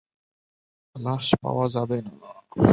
লাশ পাওয়া যাবে না।